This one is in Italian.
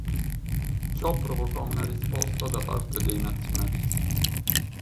Ciò provocò una risposta da parte dei nazionalisti.